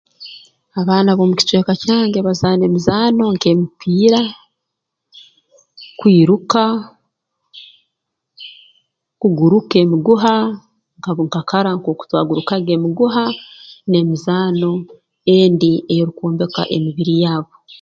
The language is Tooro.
Abaana b'omu kicweka kyange bazaana emizaano nk'emipiira kwiruka kuguruka emiguha nkab nka kara nk'oku twagurukaga emiguha n'emizaano endi eyeerukwombeka emibiri yaabu